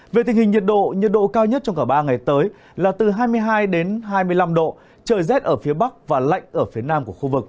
về tình hình nhiệt độ nhiệt độ cao nhất trong cả ba ngày tới là từ hai mươi hai đến hai mươi năm độ trời rét ở phía bắc và lạnh ở phía nam